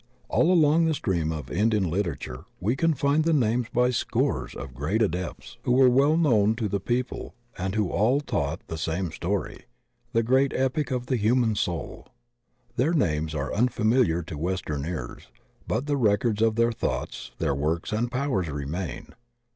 All along the stream of Indian literature we can find the names by scores of great adepts who were 10 THE OCEAN OF THEOSOPHY well known to the people and who all taught the same story — ^the great epic of the human soul. Their names are imfamiliar to western ears, but the records of their thoughts, their work and powers remain.